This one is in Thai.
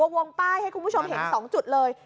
วงป้ายให้คุณผู้ชมเห็น๒จุดเลย